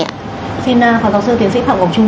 xin phạm giáo sư tiến sĩ phạm ngọc trung